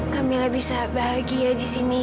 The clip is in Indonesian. kamila bisa bahagia disini